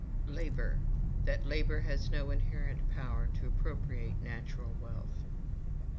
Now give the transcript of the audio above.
% 4. Labor That Labor Has No Inherent Power to Appropriate Natural Wealth.